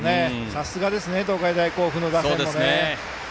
さすがですね東海大甲府の打線も。